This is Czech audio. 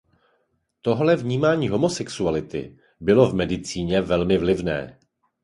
Tohle vnímání homosexuality bylo v medicíně velmi vlivné.